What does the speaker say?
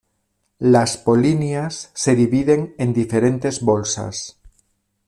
Las polinias se dividen en diferentes bolsas.